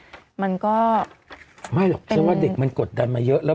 มันก็ไม่หรอกเชื่อว่าเด็กมันกดดันมาเยอะแล้ว